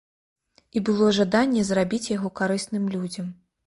І было жаданне зрабіць яго карысным людзям.